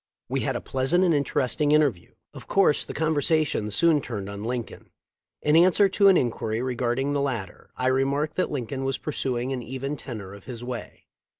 We had a pleasant and interesting inter view. Of course the conversation soon turned on Lincoln. In answer to an inquiry regarding the lat ter I remarked that Lincoln was pursuing the even tenor of his way.